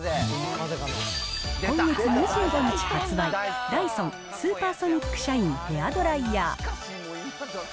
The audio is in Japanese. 今月２５日発売、ダイソンスーパーソニックシャインヘアドライヤー。